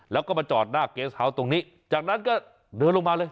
แล้วก็มาจอดหน้าเกสเฮาส์ตรงนี้จากนั้นก็เดินลงมาเลย